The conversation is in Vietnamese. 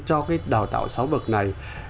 cho cái đào tạo sáu bậc này